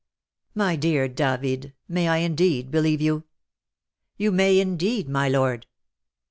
"My dear David, may I indeed believe you?" "You may, indeed, my lord."